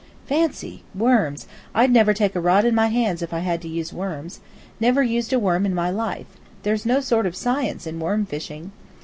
"Fancy! Worms! I'd never take a rod in my hands if I had to use worms. Never used a worm in my life. There's no sort of science in worm fishing."